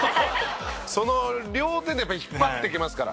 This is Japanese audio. その両面で引っ張っていけますから。